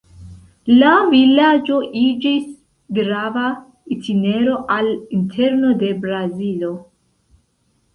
La vilaĝo iĝis grava itinero al interno de Brazilo.